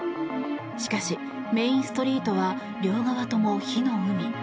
しかし、メインストリートは両側とも火の海。